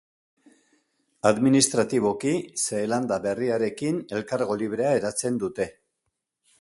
Administratiboki Zeelanda Berriarekin elkargo librea eratzen dute.